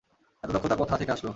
এত দক্ষতা কোথা থেকে আসলো!